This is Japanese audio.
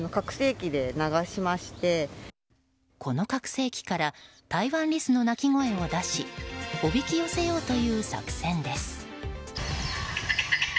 この拡声器からタイワンリスの鳴き声を出しおびき寄せようという作戦です。